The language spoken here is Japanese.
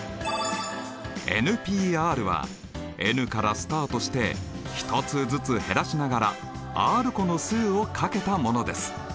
Ｐはｎからスタートして１つずつ減らしながらｒ個の数をかけたものです。